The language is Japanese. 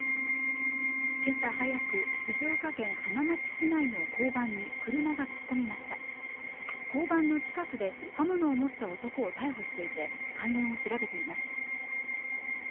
今朝早く静岡県浜松市内の交番に車が突っ込みました交番の近くで刃物を持った男を逮捕していて関連を調べています